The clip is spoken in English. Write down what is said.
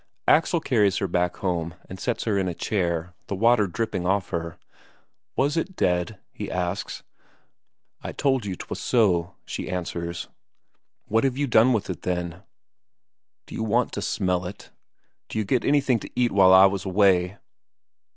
Axel carries her back home and sets her in a chair, the water dripping off her. "Was it dead?" he asks. "I told you 'twas so," she answers. "What have you done with it, then?" "D'you want to smell it? D'you get anything to eat while I was away?"